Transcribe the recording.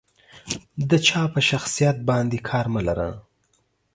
د جا په شخصيت باندې کار مه لره.